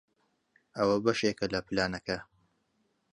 ئەوە بەشێکە لە پلانەکە.